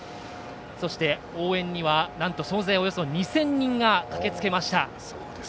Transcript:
そして応援にはなんと総勢２０００人が駆けつけました。